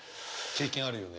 経験あるよね。